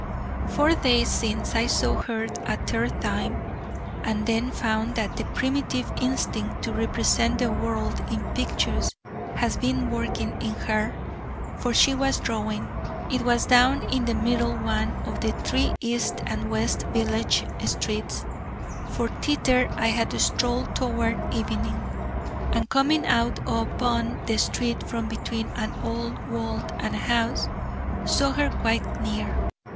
Four days since I saw her a third time, and then found that the primitive instinct to represent the world in pictures has been working in her: for she was drawing. It was down in the middle one of the three east and west village streets, for thither I had strolled toward evening, and coming out upon the street from between an old wall and a house, saw her quite near.